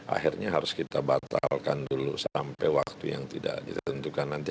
akhirnya harus kita batalkan dulu sampai waktu yang tidak ditentukan nanti